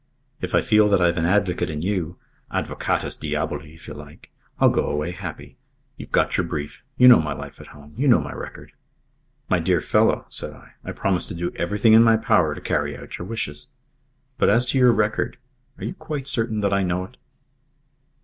If I feel that I've an advocate in you advocatus diaboli, if you like I'll go away happy. You've got your brief. You know my life at home. You know my record." "My dear fellow," said I, "I promise to do everything in my power to carry out your wishes. But as to your record are you quite certain that I know it?"